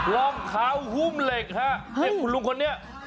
รองเท้าหุ้มเหล็กครับเด็กคุณลุงคนนี้